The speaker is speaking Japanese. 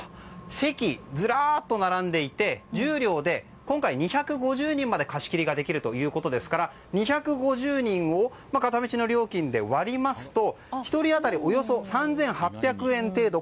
席、ずらっと並んでいて１０両で今回、２５０人まで貸し切りができるということですから２５０人を片道の料金で割りますと１人当たりおよそ３８００円程度。